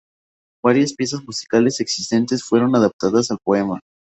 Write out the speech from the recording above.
Varias piezas musicales existentes fueron adaptadas al poema.